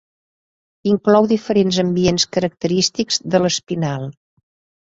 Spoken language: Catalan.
Inclou diferents ambients característics de l'Espinal.